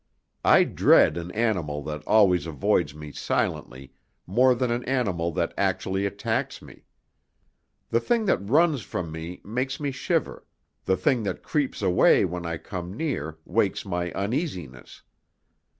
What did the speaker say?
I dread an animal that always avoids me silently more than an animal that actually attacks me. The thing that runs from me makes me shiver, the thing that creeps away when I come near wakes my uneasiness.